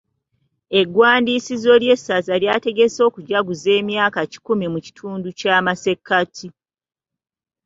Egwandiisizo ly'esaza lyategese okujaguza kw'emyaka kikumi mu kitundu ky'amasekkati.